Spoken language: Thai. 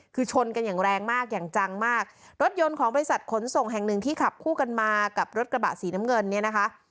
คือชนกันอย่างแรงมากอย่างจังมากรถยนต์ของบริษัทขนส่งแห่งหนึ่งที่ขับคู่กันมากับรถกระบะสีน้ำเงินเนี่ยนะคะ